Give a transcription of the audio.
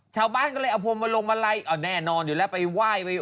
ชาวบ้านก็เลยเอาผมมาลงมาไล่แน่นอนอยู่แล้วไปว่ายไป